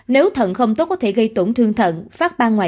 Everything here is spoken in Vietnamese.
nếu thận không tốt có thể gây tổn thương thận phát ban ngoài da